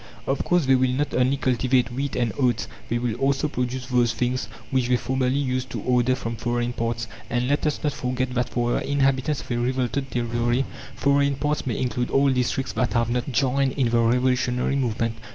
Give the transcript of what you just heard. Of course, they will not only cultivate wheat and oats they will also produce those things which they formerly used to order from foreign parts. And let us not forget that for the inhabitants of a revolted territory, "foreign parts" may include all districts that have not joined in the revolutionary movement.